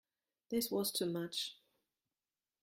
This was too much.